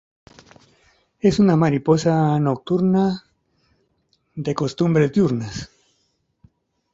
Es una mariposa nocturna de costumbres diurnas.